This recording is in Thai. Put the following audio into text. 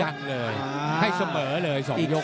ยังเลยให้เสมอเลยสองยก